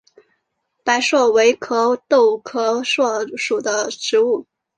白栎为壳斗科栎属的植物。